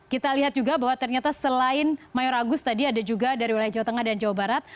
kita lihat juga bahwa ternyata selain mayor agus tadi ada juga dari wilayah jawa tengah dan jawa barat